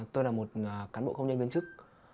tôi là một cán bộ công nhân viên chức